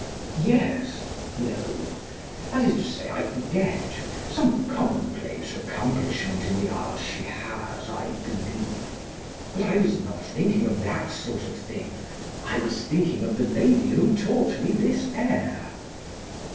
'Yes, no, that is to say, I forget: some commonplace accomplishment in the art she has, I believe; but I was not thinking of that sort of thing; I was thinking of the lady who taught me this air.